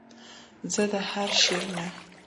زما د هر شعر نه